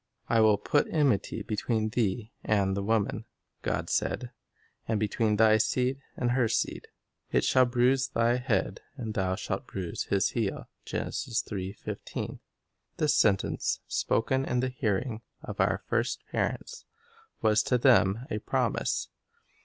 "I will put enmity between thee and the woman," God said, "and between thy seed and her seed; it shall bruise thy head, and thou shalt bruise his heel." 1 This sen tence, spoken in the hearing of our first parents, was to them a promise.